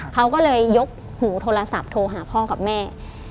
เขาก็เลยยกหูโทรศัพท์โทรหาพ่อกับแม่